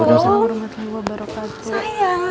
selamat tinggal barokatuh